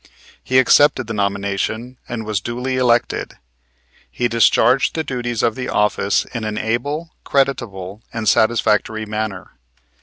He accepted the nomination and was duly elected. He discharged the duties of the office in an able, creditable and satisfactory manner.